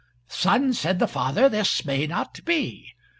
"Son," said the father, "this may not be.